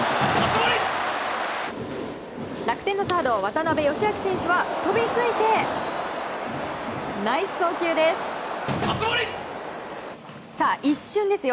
楽天のサード、渡邊佳明選手は飛びついて、ナイス送球です。